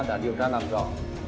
đã điều tra làm rõ